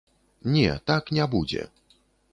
Не, так не будзе.